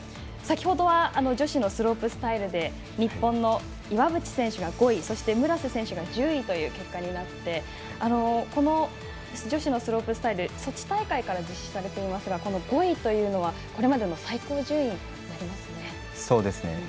先ほど女子のスロープスタイルで日本の岩渕選手が５位村瀬選手が１０位という結果になってこの女子のスロープスタイルはソチ大会から実施されていますが５位というのは、これまでの最高順位になりますね。